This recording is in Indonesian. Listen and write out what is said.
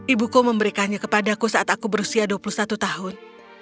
ibuku memberikannya kepadaku saat aku berusia dua puluh satu tahun